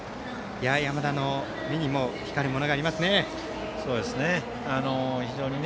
山田の目にも光るものがありますね。